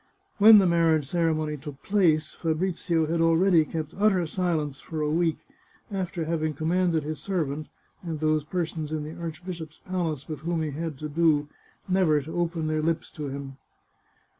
When the marriage ceremony took place, Fabrizio had already kept utter silence for a week, after having com manded his servant, and those persons in the archbishop's palace with whom he had to do, never to open their lips to him.